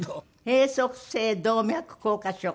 閉塞性動脈硬化症。